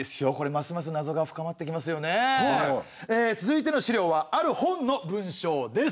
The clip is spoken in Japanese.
続いての資料はある本の文章です。